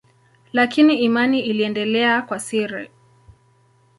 Lakini imani iliendelea kwa siri.